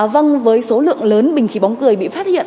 vâng với số lượng lớn bình khí bóng cười bị phát hiện